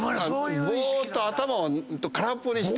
ぼーっと頭を空っぽにして。